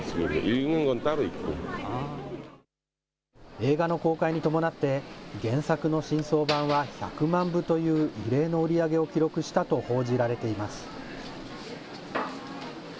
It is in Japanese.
映画の公開に伴って、原作の新装版は１００万部という異例の売り上げを記録したと報じられています。